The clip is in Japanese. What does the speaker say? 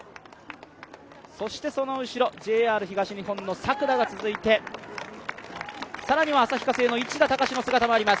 そしてその後ろ、ＪＲ東日本の作田が続いてさらには旭化成の市田孝の姿もあります。